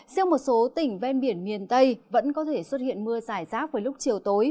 riêng một số tỉnh ven biển miền tây vẫn có thể xuất hiện mưa giải rác với lúc chiều tối